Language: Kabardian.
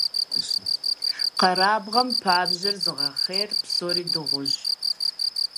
Къэрабгъэм пабжьэр зыгъэхъей псори дыгъужь.